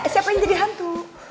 siapa yang jadi hantu